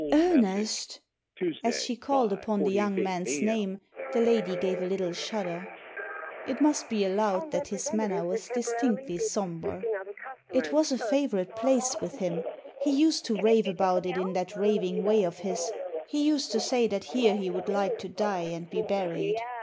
"Ernest!" As she called upon the young man's name the lady gave a little shudder. It must be allowed that his manner was distinctly sombre. " It was a favourite place with him. He used to rave about it in that raving way of his. He used to say that here he would like to die and be buried.